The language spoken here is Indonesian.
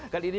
kan ini jadi